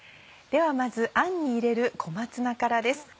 ではまずあんに入れる小松菜からです。